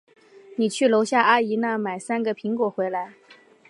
你去楼下阿姨那儿买三个苹果回来。